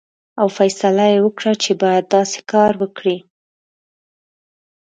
او فیصله یې وکړه چې باید داسې کار وکړي.